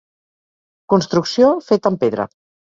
Construcció feta en pedra.